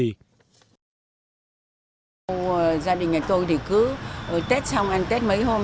gia đình nhà tôi thì cứ tết xong ăn tết mấy hôm